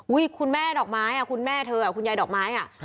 คุณแม่ดอกไม้คุณแม่เธอคุณยายดอกไม้